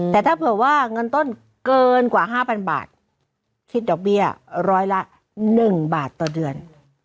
แต่ถ้าเผื่อว่าเงินต้นเกินกว่า๕๐๐บาทคิดดอกเบี้ยร้อยละ๑บาทต่อเดือน